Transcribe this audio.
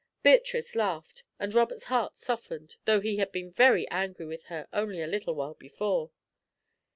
Beatrice laughed, and Robert's heart softened, though he had been very angry with her only a little while before.